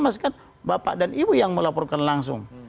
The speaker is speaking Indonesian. mas kan bapak dan ibu yang melaporkan langsung